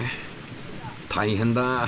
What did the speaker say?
大変だ。